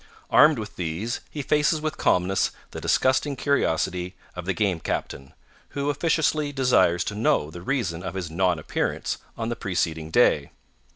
Armed with these, he faces with calmness the disgusting curiosity of the Game Captain, who officiously desires to know the reason of his non appearance on the preceding day.